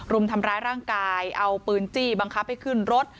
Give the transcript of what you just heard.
รุมทำร้ายร่างกายเอาปืนจี้บังคับให้ขึ้นรถ